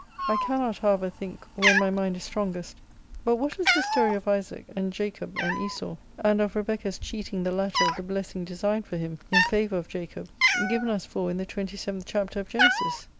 I cannot, however, think, when my mind is strongest But what is the story of Isaac, and Jacob, and Esau, and of Rebekah's cheating the latter of the blessing designed for him, (in favour of Jacob,) given us for in the 27th chapter of Genesis?